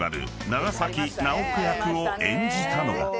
長崎尚子役を演じたのが］